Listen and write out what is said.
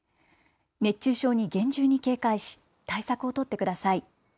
熱中症に厳重に警戒し対策を取ってください。